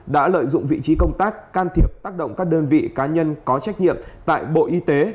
đã lợi dụng vị trí công tác can thiệp tác động các đơn vị cá nhân có trách nhiệm tại bộ y tế